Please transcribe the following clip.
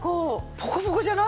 ポカポカじゃない？